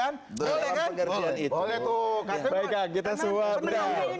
baik kak kita suap